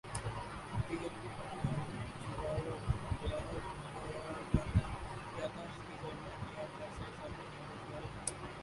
دیگر علامات میں تھکاوٹ دھندلاہٹ چھا جانا یادداشت کی پریشانی اور فیصلہ سازی میں دشواری شامل ہیں